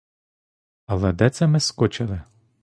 Але де це ми скочили?